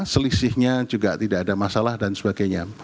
selisihnya juga tidak ada masalah dan sebagainya